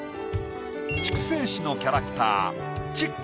筑西市のキャラクターちっく